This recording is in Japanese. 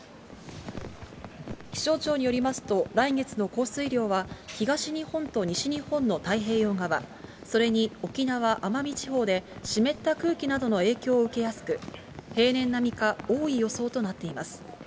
気象庁によりますと、来月の降水量は、東日本と西日本の太平洋側、それに沖縄・奄美地方で湿った空気などの影響を受けやすく、平年並みか多い予想となっています。